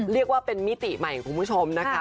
เรียกว่าเป็นมิติใหม่ของคุณผู้ชมนะคะ